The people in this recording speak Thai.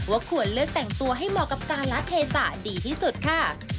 ควรเลือกแต่งตัวให้เหมาะกับการละเทศะดีที่สุดค่ะ